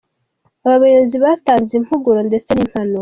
Aba bayobozi batanze impuguro ndetse n’impanuro.